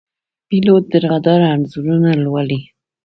پیلوټ د رادار انځورونه لولي.